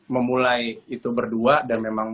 memulai itu berdua dan memang